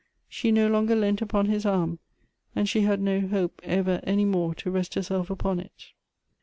She no longer leant upon his arm, and she had no hope ever any more to rest her self upon it.